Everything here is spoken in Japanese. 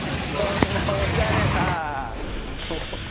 そんなおしゃれな。